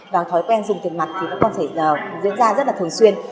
và thói quen dùng tiền mặt thì có thể diễn ra rất là thường xuyên